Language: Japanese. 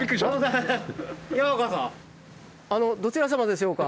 あのどちら様でしょうか？